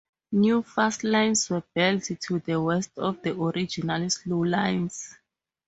New fast lines were built to the west of the original slow lines.